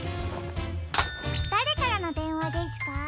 だれからのでんわですか？